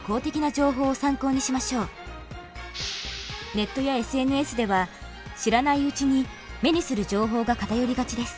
ネットやＳＮＳでは知らないうちに目にする情報が偏りがちです。